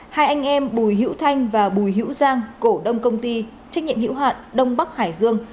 hai anh em bùi hữu thanh và bùi hữu giang cổ đông công ty trách nhiệm hữu hạn đông bắc hải dương